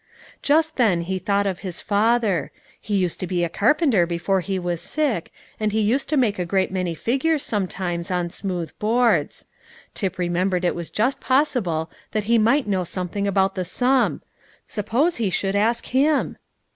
Just then he thought of his father; he used to be a carpenter before he was sick, and he used to make a great many figures sometimes on smooth boards. Tip remembered it was just possible that he might know something about the sum. Suppose he should ask him?